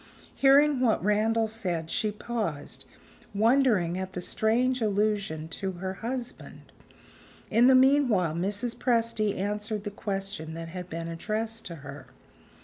Hearing what Randal said, she paused, wondering at the strange allusion to her husband. In the meanwhile, Mrs. Presty answered the question that had been addressed to her.